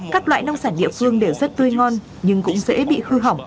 các loại nông sản địa phương đều rất tươi ngon nhưng cũng dễ bị hư hỏng